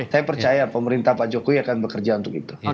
saya percaya pemerintah pak jokowi akan bekerja untuk itu